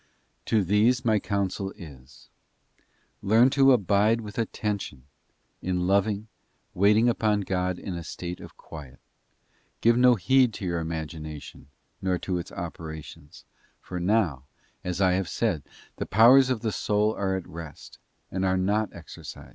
To these my counsel is—learn to abide with attention in loving waiting upon God in the state of quiet; give no heed to your imagination, nor to its operations, for now, as I have said, the powers of the soul are at rest, and are not exercised, a mee!